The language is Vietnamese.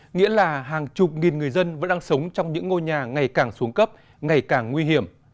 nghĩa là hàng chục nghìn người dân vẫn đang sống trong những ngôi nhà ngày càng xuống cấp ngày càng nguy hiểm